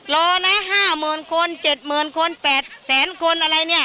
รอนะ๕๐๐๐คน๗๐๐คน๘แสนคนอะไรเนี่ย